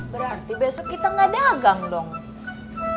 berarti besok kita nggak dagang dong